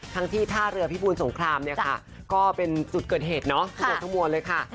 ทั้งที่ท่าเรือพิบูรณ์สงครามก็เป็นจุดเกิดเหตุเนอะจุดทั้งหมวดเลยค่ะ